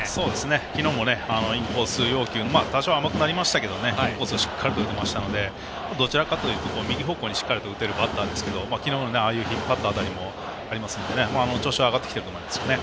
昨日もインコース要求の多少甘くなってましたがコースをしっかり打っていましたのでどちらかというと右方向にしっかり打てるバッターですけど昨日のああいった引っ張った当たりもあるので調子上がっていますね。